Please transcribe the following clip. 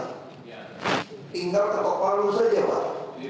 tinggal ketok palu saja pak